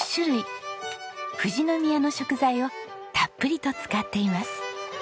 富士宮の食材をたっぷりと使っています。